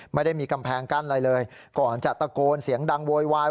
ไม่ได้มีกำแพงกั้นอะไรเลยก่อนจะตะโกนเสียงดังโวยวาย